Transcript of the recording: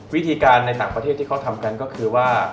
วิธีการในต่างประเทศที่เขาทำกันก็คือว่า